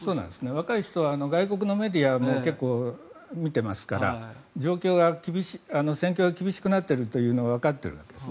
若い人は外国のメディアも結構見ていますから戦況が厳しくなっているのをわかっているんです。